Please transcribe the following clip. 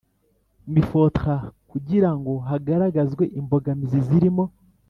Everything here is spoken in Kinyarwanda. Mifotra kugira ngo hagaragazwe imbogamizi zirimo